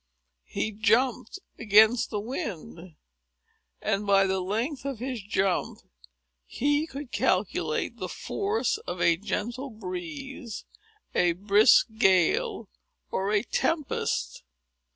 He jumped against the wind; and by the length of his jump, he could calculate the force of a gentle breeze, a brisk gale, or a tempest.